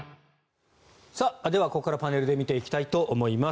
ではここからパネルで見ていきたいと思います。